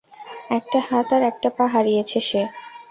একটা হাত আর একটা পা হারিয়েছে সে।